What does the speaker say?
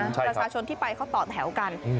นะฮะประชาชนที่ไปเขาต่อแถวกันอืม